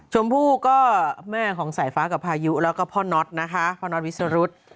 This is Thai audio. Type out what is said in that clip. ชมพู่ก็แม่ของสายฟ้ากับพายุแล้วก็พ่อน็อตนะคะพ่อน็อตวิสรุธ